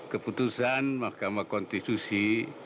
keputusan mahkamah konstitusi